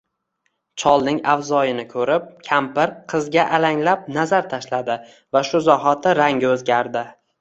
Cholning avzoyini koʼrib kampir qizga alanglab nazar tashladi va shu zahoti rangi oʼzgardi.